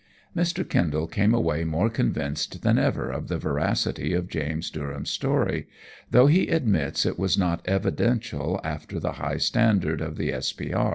Mr. Kendal came away more convinced than ever of the veracity of James Durham's story, though he admits it was not evidential after the high standard of the S.P.R.